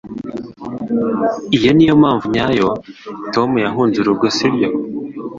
Iyo niyo mpamvu nyayo Tom yahunze urugo sibyo?